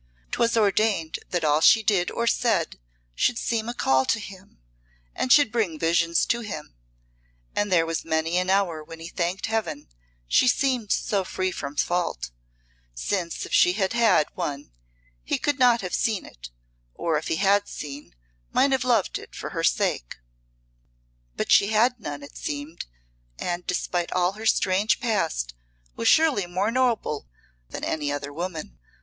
'Twas ordained that all she did or said should seem a call to him and should bring visions to him, and there was many an hour when he thanked Heaven she seemed so free from fault, since if she had had one he could not have seen it, or if he had seen, might have loved it for her sake. But she had none, it seemed, and despite all her strange past was surely more noble than any other woman.